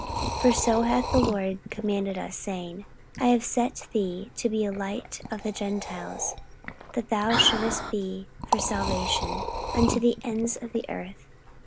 44:013:047 For so hath the Lord commanded us, saying, I have set thee to be a light of the Gentiles, that thou shouldest be for salvation unto the ends of the earth.